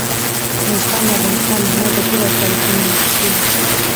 نورستان د افغانستان د هنر په ټولو اثارو کې منعکس کېږي.